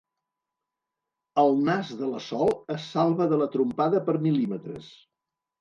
El nas de la Sol es salva de la trompada per mil·límetres.